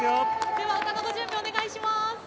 では歌のご準備お願いします。